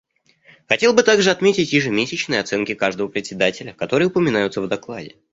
Хотел бы также отметить ежемесячные оценки каждого Председателя, которые упоминаются в докладе.